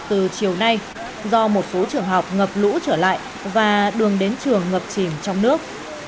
từ chiều nay do một số trường học ngập lũ trở lại và đường đến trường ngập chìm trong nước